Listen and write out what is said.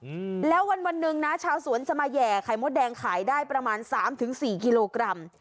อืมแล้ววันวันหนึ่งนะชาวสวนจะมาแห่ไข่มดแดงขายได้ประมาณสามถึงสี่กิโลกรัม